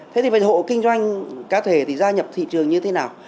thế thì về hộ kinh doanh cá thể thì gia nhập thị trường như thế nào